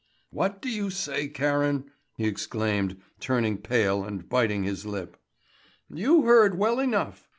"What do you say, Karen?" he exclaimed, turning pale and biting his lip. "You heard well enough!"